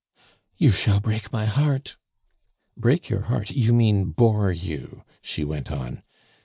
"You shall break my heart!" "Break your heart you mean bore you," she went on.